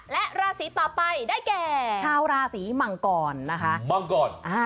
แล้วราศีต่อไปได้แก่